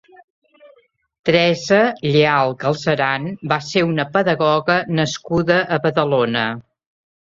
Teresa Lleal Galceran va ser una pedagoga nascuda a Badalona.